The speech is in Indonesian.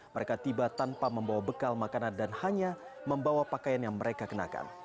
mereka tiba tanpa membawa bekal makanan dan hanya membawa pakaian yang mereka kenakan